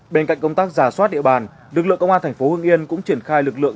bên cạnh công tác giả soát địa bàn lực lượng công an tp hương yên cũng triển khai lực lượng